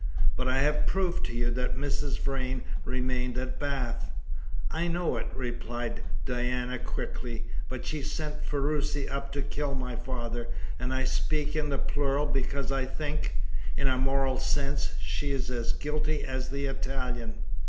"But I have proved to you that Mrs. Vrain remained at Bath." "I know it," replied Diana quickly, "but she sent Ferruci up to kill my father, and I speak in the plural because I think in a moral sense she is as guilty as the Italian."